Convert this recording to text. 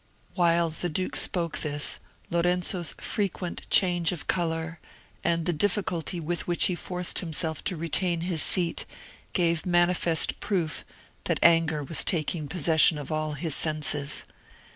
While the duke spoke this, Lorenzo's frequent change of colour, and the difficulty with which he forced himself to retain his seat, gave manifest proof that anger was taking possession of all his senses.